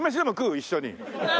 一緒に。